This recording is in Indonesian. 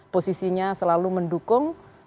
posisinya selalu mendukung